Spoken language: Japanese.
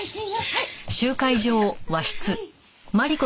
はい。